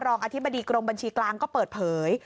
อธิบดีกรมบัญชีกลางก็เปิดเผย